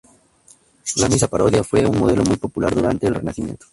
La misa parodia fue un modelo muy popular durante el Renacimiento.